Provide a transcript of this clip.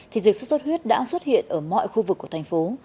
thì dịch xuất xuất huyết đã xuất hiện ở mọi khu vực của thành phố